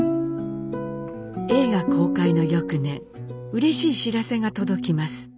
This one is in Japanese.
映画公開の翌年うれしい知らせが届きます。